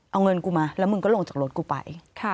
เอาเงินกูมาแล้วมึงก็ลงจากรถกูไป